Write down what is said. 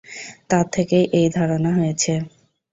তার থেকেই এই ধারণা হয়েছে।